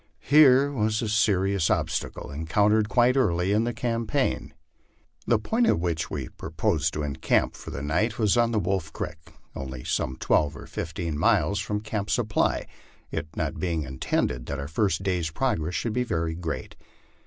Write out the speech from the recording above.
Here was a serious obstacle encountered quite early in the campaign. The point at which we proposed to encamp for the night was on Wolf creek, only some twelve or fifteen miles from Camp Supply, it not being in tended that our first day's progress should be very great.